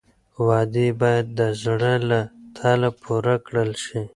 وعدې باید د زړه له تله پوره کړل شي.